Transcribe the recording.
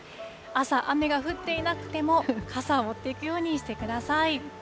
朝、雨が降っていなくても、傘を持っていくようにしてください。